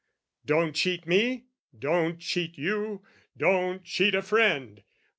Don't cheat me, don't cheat you, don't cheat a friend!